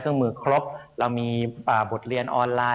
คุณสินทะนันสวัสดีครับ